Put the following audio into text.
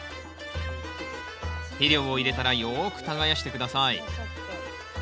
肥料を入れたらよく耕して下さい。